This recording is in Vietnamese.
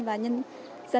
và nhân dân tỉnh điện biên